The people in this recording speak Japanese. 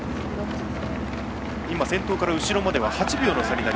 先頭から後ろまでは８秒の差です。